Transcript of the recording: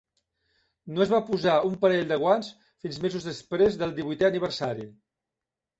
No es va posar un parell de guants fins mesos després del divuitè aniversari.